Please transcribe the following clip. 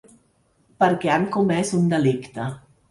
Perquè han comès un delicte.